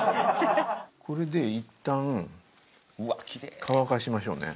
これでいったん乾かしましょうね。